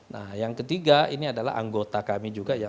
nah yang ketiga ini adalah anggota kami juga ya